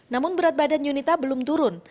namun berat badan yunita belum turun